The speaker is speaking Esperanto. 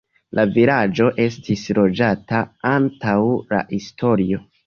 La vilaĝo estis loĝata antaŭ la historio.